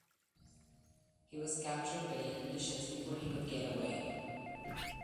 He was captured by the Indonesians before he could get away.